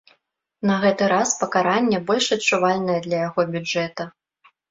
На гэты раз пакаранне больш адчувальнае для яго бюджэта.